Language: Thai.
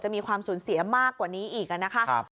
มีความสูญเสียมากกว่านี้อีกนะคะ